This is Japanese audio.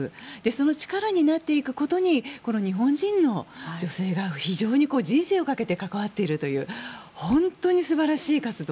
その力になっていくことに日本人の女性が非常に人生をかけて関わっているという本当に素晴らしい活動。